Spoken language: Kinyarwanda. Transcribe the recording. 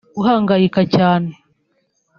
guhangayika cyane